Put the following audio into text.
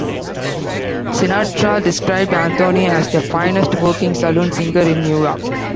Sinatra described Anthony as the finest working saloon singer in New York.